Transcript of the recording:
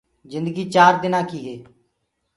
جندگي چآر دنآ ڪي هي